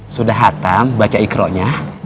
sudah hatam baca ikronya